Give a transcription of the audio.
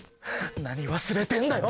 何忘れてんだよ！